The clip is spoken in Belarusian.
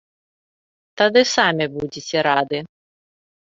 Тады самі будзеце рады.